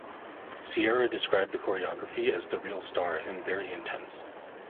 Ciara described the choreography as "the real star" and "very intense".